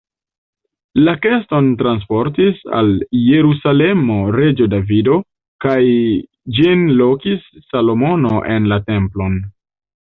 La keston transportis al Jerusalemo reĝo Davido kaj ĝin lokigis Salomono en la templon.